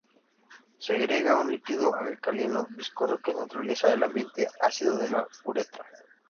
Segrega un líquido alcalino viscoso que neutraliza el ambiente ácido de la uretra.